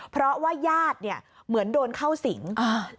เพราะว่าญาติเหมือนโดนเข้าสิงห์